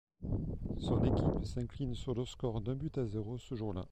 Son équipe s'incline sur le score d'un but à zéro ce jour là.